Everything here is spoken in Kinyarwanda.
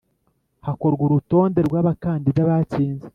hakorwa urutonde rwa bakandida batsinze